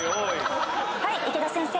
はい池田先生。